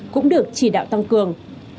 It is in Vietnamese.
cũng được chỉ đạo tăng cường